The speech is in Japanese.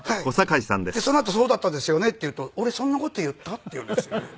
でそのあと「そうだったですよね」って言うと「俺そんな事言った？」って言うんですよね。